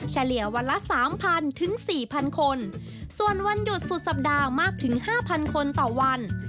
เฉลี่ยวันละ๓๐๐๐ถึง๔๐๐๐คนส่วนวันหยุดสุดสัปดาห์มากถึง๕๐๐๐คนต่อวัน